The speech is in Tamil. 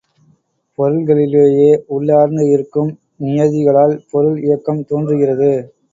பொருள்களிலேயே உள்ளார்ந்து இருக்கும் நியதிகளால் பொருள் இயக்கம் தோன்றுகிறது.